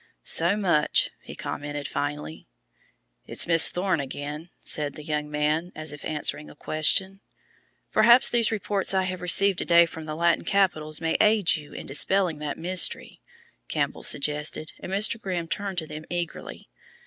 "So much!" he commented finally. "It's Miss Thorne again," said the young man as if answering a question. "Perhaps these reports I have received to day from the Latin capitals may aid you in dispelling that mystery," Campbell suggested, and Mr. Grimm turned to them eagerly.